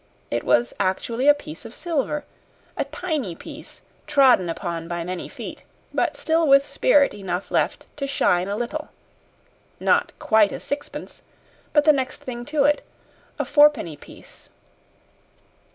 It was actually a piece of silver a tiny piece trodden upon by many feet, but still with spirit enough left to shine a little. Not quite a sixpence, but the next thing to it a fourpenny piece.